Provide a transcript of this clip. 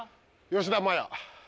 吉田麻也。